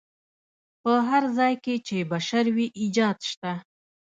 په هر ځای کې چې بشر وي ایجاد شته.